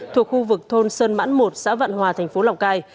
thuộc khu vực thôn sơn mãn một xã vạn hòa thành phố lào cai